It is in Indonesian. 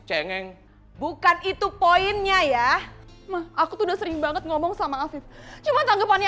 cengeng bukan itu poinnya ya aku tuh udah sering banget ngomong sama afif cuma tanggapannya